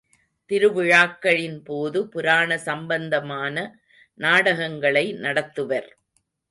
திரு விழாக்களின் போது புராண சம்பந்தமான நாடகங்களை நடத்துவர்.